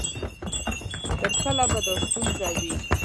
تر کله به دا ستونزه وي؟